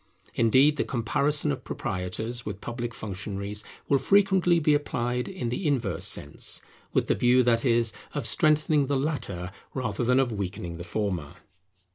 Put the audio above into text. Indeed, the comparison of proprietors with public functionaries will frequently be applied in the inverse sense; with the view, that is, of strengthening the latter rather than of weakening the former.